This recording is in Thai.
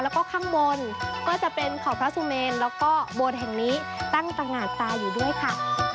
แล้วก็ข้างบนก็จะเป็นเขาพระสุเมนแล้วก็โบสถ์แห่งนี้ตั้งตรงานตาอยู่ด้วยค่ะ